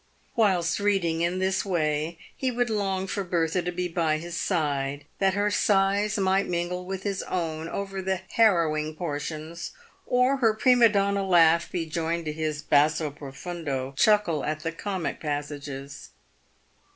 Whilst reading in this way he would long for Bertha to be by his side, that her sighs might mingle with his own over the harrow ing portions, or her prima donna laugh be joined to his basso prof undo chuckle at the comic passages.